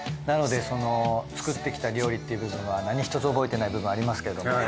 なのでその作ってきた料理っていう部分は何ひとつ覚えてない部分ありますけども。